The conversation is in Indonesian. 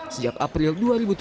sejak april dua ribu tujuh belas